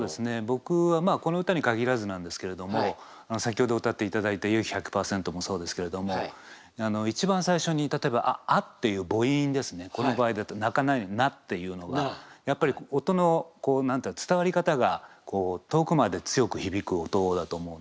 僕はこの歌に限らずなんですけれども先ほど歌っていただいた「勇気１００％」もそうですけれどもこの場合だと「泣かない」の「な」っていうのがやっぱり音の伝わり方が遠くまで強くひびく音だと思うんですよ。